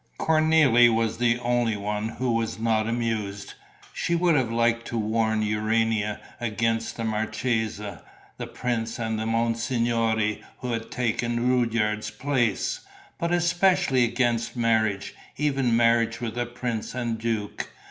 Cornélie was the only one who was not amused. She would have liked to warn Urania against the marchesa, the prince and the monsignori who had taken Rudyard's place, but especially against marriage, even marriage with a prince and duke.